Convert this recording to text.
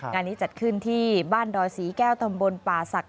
งานนี้จัดขึ้นที่บ้านดอยศรีแก้วตำบลป่าศักดิ